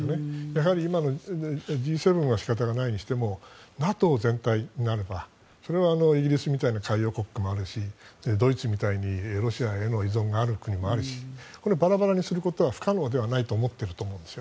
やはり今のＧ２０は仕方がないにしてもＮＡＴＯ全体となればそれはイギリスみたいな海洋国家もあるしドイツみたいにロシアへの依存もある国もあるしバラバラにすることは不可能ではないと思っていると思います。